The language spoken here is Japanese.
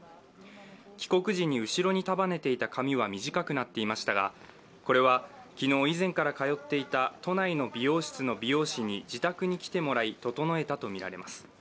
帰国時に後ろに束ねていた髪は短くなっていましたがこれは昨日、以前から通っていた都内の美容室の美容師に自宅に来てもらい、整えたとみられます。